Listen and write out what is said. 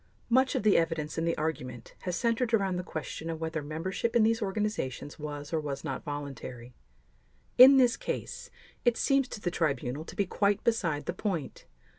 Much of the evidence and the argument has centered around the question of whether membership in these organizations was or was not voluntary; in this case, it seems to the Tribunal to be quite beside the point.